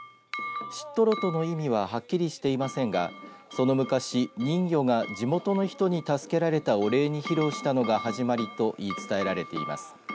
シットロトの意味ははっきりしていませんがその昔、人魚が地元の人に助けられたお礼に披露したのが始まりと言い伝えられています。